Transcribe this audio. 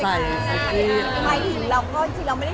พี่เอ็มเค้าเป็นระบองโรงงานหรือเปลี่ยนไงครับ